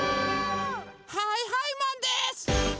はいはいマンです！